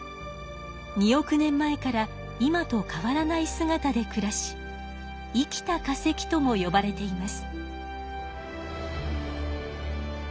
２億年前から今と変わらないすがたでくらし生きた化石ともよばれています。